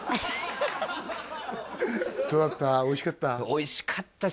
おいしかった？